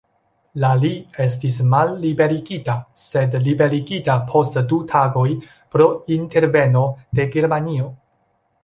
La li estis malliberigita, sed liberigita post du tagoj pro interveno de Germanio.